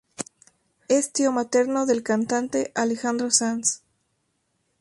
Es tío materno del cantante Alejandro Sanz.